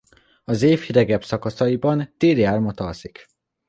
Az év hidegebb szakaszaiban téli álmot alszik.